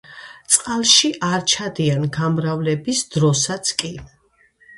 წყალში არ ჩადიან გამრავლების დროსაც კი.